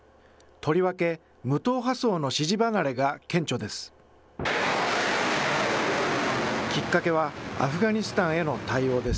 とりわけ、無党派層の支持離れが顕著です。